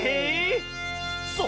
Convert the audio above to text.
そう。